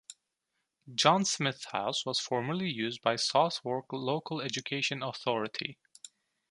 John Smith House was formerly used by Southwark Local Education Authority.